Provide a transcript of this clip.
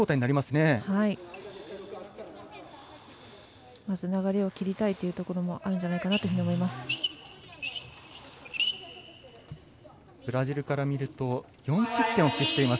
まず流れを切りたいというところもあるんじゃないかなと思います。